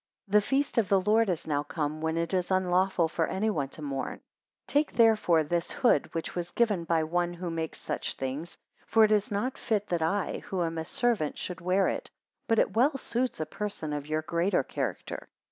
The feast of the Lord is now come, when it is unlawful for any one to mourn. 3 Take therefore this hood which was given by one who makes such things, for it is not fit that I, who am a servant should wear it, but it well suits a person of your greater character.